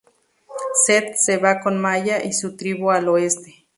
Zed se va con Maya y su tribu al oeste.